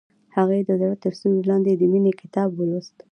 هغې د زړه تر سیوري لاندې د مینې کتاب ولوست.